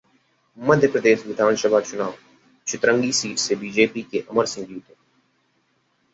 मध्य प्रदेश विधानसभा चुनाव: चितरंगी सीट से बीजेपी के अमर सिंह जीते